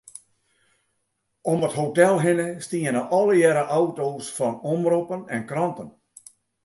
Om it hotel hinne stiene allegearre auto's fan omroppen en kranten.